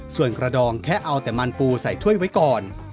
ส่วนกระดองแค่เอาแต่มันปูใส่ถ้วยไว้ก่อน